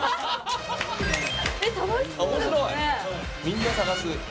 みんな探す。